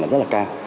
là rất là cao